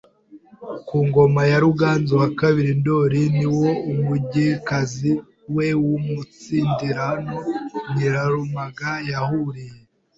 Ku ngoma ya Ruganzu II Ndoli niwo umugaekazi we w’umutsindirano Nyirarumaga yahurije